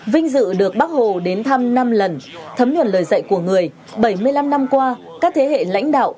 vinh dự được bác hồ đến thăm năm lần thấm nhuận lời dạy của người bảy mươi năm năm qua các thế hệ lãnh đạo